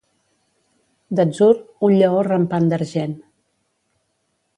D'atzur, un lleó rampant d'argent.